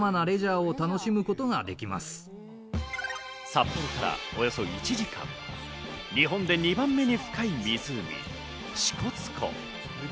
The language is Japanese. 札幌からおよそ１時間、日本で２番目に深い湖・支笏湖。